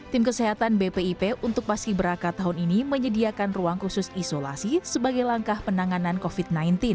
tim kesehatan bpip untuk paski beraka tahun ini menyediakan ruang khusus isolasi sebagai langkah penanganan covid sembilan belas